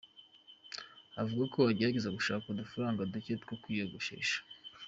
Avuga ko agerageza gushaka udufaranga duke two kwiyogoshesha.